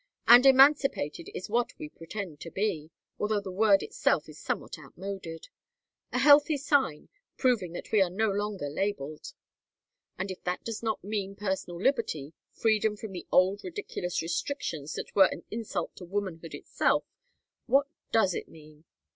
And emancipated is what we pretend to be although the word itself is somewhat outmoded; a healthy sign, proving that we are no longer labelled. And if that does not mean personal liberty, freedom from the old ridiculous restrictions that were an insult to womanhood itself, what does it mean?